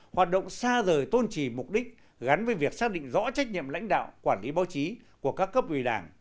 hoạt động xa rời tôn trì mục đích gắn với việc xác định rõ trách nhiệm lãnh đạo quản lý báo chí của các cấp ủy đảng